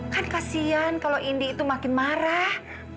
kan kasian kalau indi itu makin marah